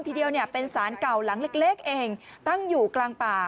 ทีเดียวเป็นสารเก่าหลังเล็กเองตั้งอยู่กลางป่า